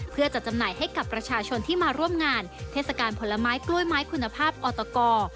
เพื่อจัดจำหน่ายให้กับประชาชนที่มาร่วมงานเทศกาลผลไม้กล้วยไม้คุณภาพออตก